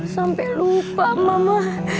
sampai lupa mama